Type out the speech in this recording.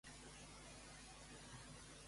Com ha titllat el govern espanyol?